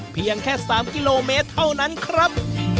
เพียงแค่๓กิโลเมตรเท่านั้นครับ